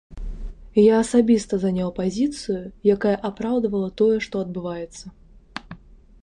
Я асабіста заняў пазіцыю, якая апраўдвала тое, што адбываецца.